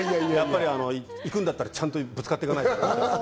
行くんだったら、ちゃんとぶつかって行かないとと思いますね。